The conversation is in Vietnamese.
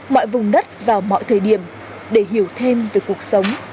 mọi vùng đất vào mọi thời điểm để hiểu thêm về cuộc sống